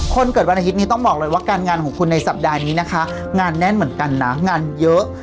คนเกิดวันอาทิตย์นี้ต้องบอกเลยว่าการงานของคุณในสัปดาห์นี้นะคะงานแน่นเหมือนกันนะงานเยอะ